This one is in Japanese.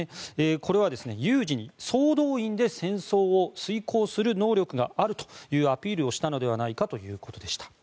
これは、有事に総動員で戦争を遂行する能力があるというアピールをしたのではないかということでした。